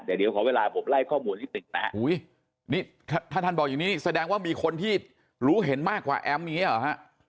แต่เดี๋ยวขอเวลาผมไล่ข้อมูลที่ติดนะฮะนี่ถ้าท่านบอกอย่างนี้แสดงว่ามีคนที่รู้เห็นมากกว่าแอมป์อย่างนี้หรอฮะ